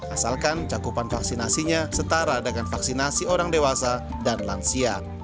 asalkan cakupan vaksinasinya setara dengan vaksinasi orang dewasa dan lansia